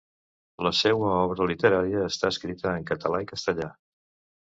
La seua obra literària està escrita en català i castellà.